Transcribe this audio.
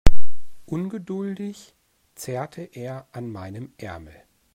Ungeduldig zerrte er an meinem Ärmel.